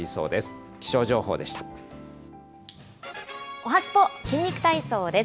おはＳＰＯ筋肉体操です。